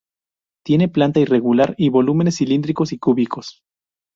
Tiene planta irregular y volúmenes cilíndricos y cúbicos.